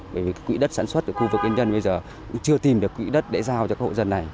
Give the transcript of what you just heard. bởi vì cái quỹ đất sản xuất của khu vực nhân dân bây giờ cũng chưa tìm được quỹ đất để giao cho các hộ dân này